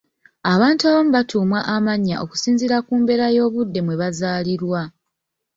Abantu abamu batuumwa amannya okusinziira ku mbeera y’obudde mwe bazaalirwa.